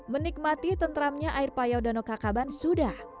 menikmati tentramnya air payau danau kakaban sudah